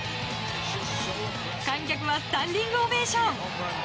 観客はスタンディングオベーション。